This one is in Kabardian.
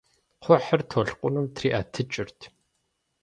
Кхъухьыр толъкъуным триӀэтыкӀырт.